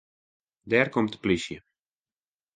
Dêr komt de polysje.